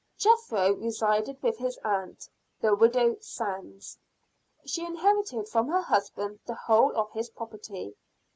Jethro resided with his aunt, the widow Sands. She inherited from her husband the whole of his property.